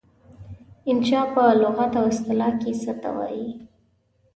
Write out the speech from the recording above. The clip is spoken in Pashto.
انشأ په لغت او اصطلاح کې څه ته وايي؟